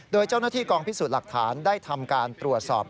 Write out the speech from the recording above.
โดยเจ้าหน้าที่กองพิสูจน์หลักฐานได้ทำการตรวจสอบ